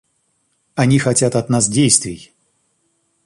Они хотят от нас действий.